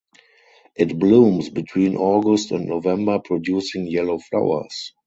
It blooms between August and November producing yellow flowers.